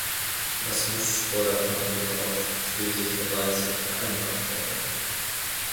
Was muss oder kann hier auf friedliche Weise verändert werden?